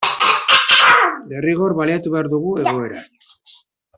Derrigor baliatu behar dugu egoera.